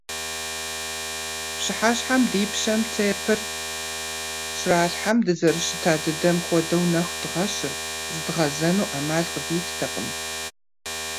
Пщыхьэщхьэм ди пщэм церпыр щралъхьэм дызэрыщыта дыдэм хуэдэу нэху дгъэщырт, зыдгъэзэну Ӏэмал къыдиттэкъым.